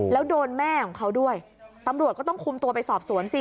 แล้วโดนแม่ของเขาด้วยตำรวจก็ต้องคุมตัวไปสอบสวนสิ